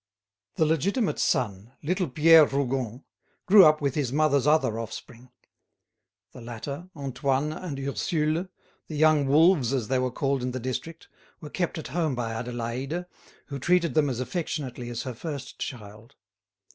The legitimate son, little Pierre Rougon, grew up with his mother's other offspring. The latter, Antoine and Ursule, the young wolves as they were called in the district, were kept at home by Adélaïde, who treated them as affectionately as her first child.